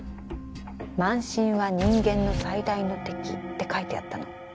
「慢心は人間の最大の敵」って書いてあったの。